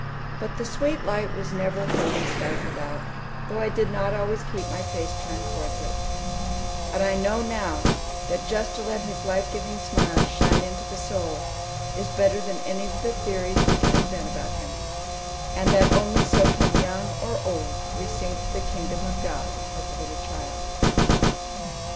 But the sweet light was never wholly stifled out, though I did not always keep my face turned towards it: and I know now, that just to let his lifegiving smile shine into the soul is better than any of the theories we can invent about Him; and that only so can young or old receive the kingdom of God as a little child.